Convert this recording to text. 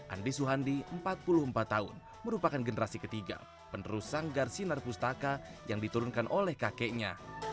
andi suhandi empat puluh empat tahun merupakan generasi ketiga penerus sanggar sinar pustaka yang diturunkan oleh kakeknya